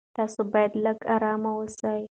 تاسو باید لږ ارام اوسئ.